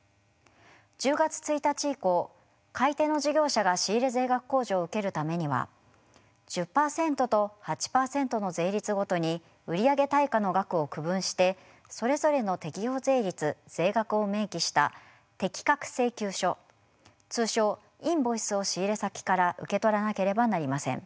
１０月１日以降買い手の事業者が仕入れ税額控除を受けるためには１０％と８％の税率ごとに売り上げ対価の額を区分してそれぞれの適用税率・税額を明記した適格請求書通称インボイスを仕入れ先から受け取らなければなりません。